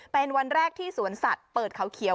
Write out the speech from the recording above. เป็นวันแรกที่สวนสัตว์เปิดเขาเขียว